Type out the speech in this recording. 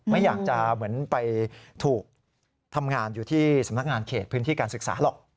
ไม่อยากจะเหมือนไปถูกทำงานอยู่ที่สำนักงานเขตพื้นที่การศึกษาหรอก